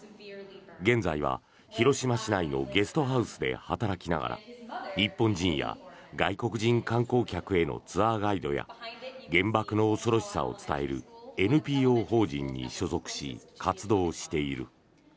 現在は広島市内のゲストハウスで働きながら日本人や外国人観光客へのツアーガイドや原爆の恐ろしさを伝えるＮＰＯ法人に所属し活動している。